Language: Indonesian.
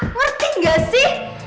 ngerti nggak sih